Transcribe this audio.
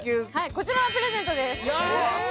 こちらはプレゼントです。